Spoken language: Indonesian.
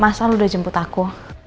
masa lo udah jemput aku